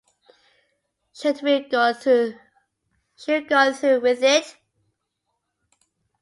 Should we go through with it?